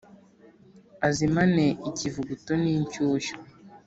Azimane ikivuguto n’inshyushyu